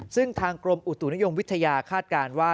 ซึ่งทางกรมอุตุนิยมวิทยาคาดการณ์ว่า